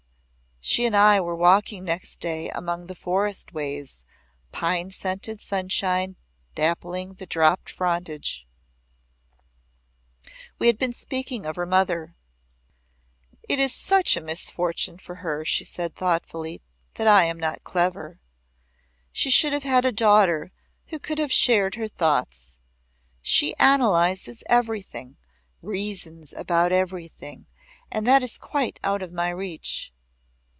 She and I were walking next day among the forest ways, the pine scented sunshine dappling the dropped frondage. We had been speaking of her mother. "It is such a misfortune for her," she said thoughtfully, "that I am not clever. She should have had a daughter who could have shared her thoughts. She analyses everything, reasons about everything, and that is quite out of my reach."